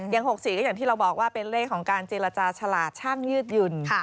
๖๔ก็อย่างที่เราบอกว่าเป็นเลขของการเจรจาฉลาดช่างยืดหยุ่น